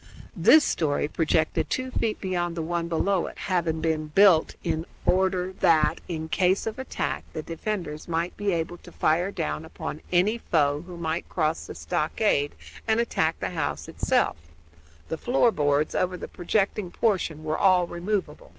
This story projected two feet beyond the one below it, having been so built in order that, in case of attack, the defenders might be able to fire down upon any foe who might cross the stockade and attack the house itself; the floor boards over the projecting portion were all removable.